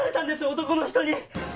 男の人に？